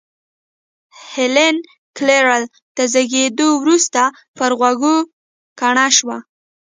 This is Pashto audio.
هېلېن کېلر تر زېږېدو وروسته پر غوږو کڼه شوه